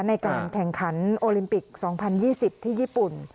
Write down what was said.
ในการแข่งขันโอลิมปิก๒๐๒๐ที่ญี่ปุ่น